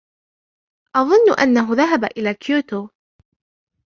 أظن أنه ذهب إلى كيوتو.